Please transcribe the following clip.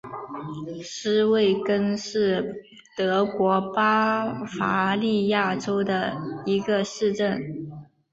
施魏根是德国巴伐利亚州的一个市镇。